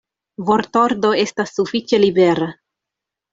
Vortordo estas sufiĉe libera.